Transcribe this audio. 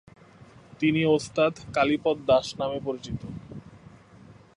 তিনি ওস্তাদ কালীপদ দাস নামেই পরিচিত।